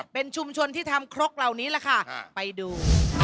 เป็นชุมชนทำครกเหล่านี้ไปดู